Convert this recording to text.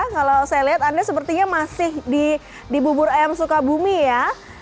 kalau saya lihat anda sepertinya masih di bubur ayam sukabumi ya